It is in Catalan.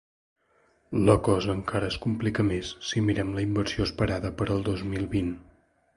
La cosa encara es complica més si mirem la inversió esperada per al dos mil vint.